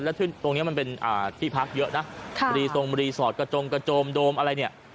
แล้วตรงนี้มันเป็นที่พักเยอะนะรีทรงรีสอร์ทกระจงกระโจมโดมอะไรเนี่ย